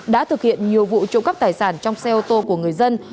đã thực hiện nhiều vụ trộm cắp tài sản trong xe ô tô của người dân